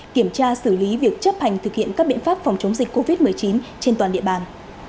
kiểm tra xử lý việc chấp hành thực hiện các biện pháp phòng chống dịch covid một mươi chín trên toàn địa bàn